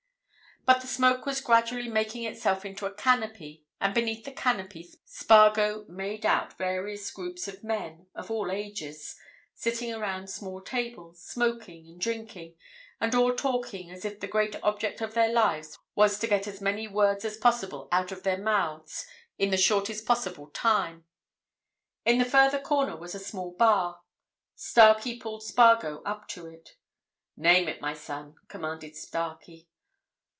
But the smoke was gradually making itself into a canopy, and beneath the canopy Spargo made out various groups of men of all ages, sitting around small tables, smoking and drinking, and all talking as if the great object of their lives was to get as many words as possible out of their mouths in the shortest possible time. In the further corner was a small bar; Starkey pulled Spargo up to it. "Name it, my son," commanded Starkey.